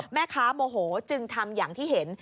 โมโหจึงทำอย่างที่เห็น